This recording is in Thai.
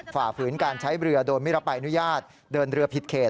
ฝ่าฝืนการใช้เรือโดยไม่รับใบอนุญาตเดินเรือผิดเขต